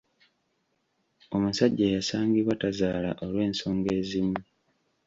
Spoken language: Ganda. Omusajja yasangibwa tazaala olw'ensonga ezimu.